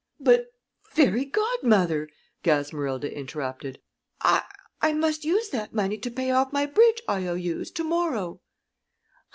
"But, Fairy Godmother," Gasmerilda interrupted, "I I must use that money to pay off my bridge I. O. U.'s to morrow."